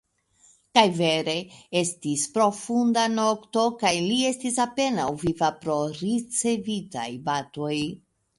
Kaj vere: estis profunda nokto, kaj li estis apenaŭ viva pro ricevitaj batoj.